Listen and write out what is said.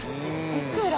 いくら？